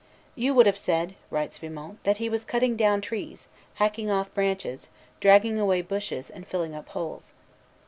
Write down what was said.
"You would have said," writes Vimont, "that he was cutting down trees, hacking off branches, dragging away bushes, and filling up holes."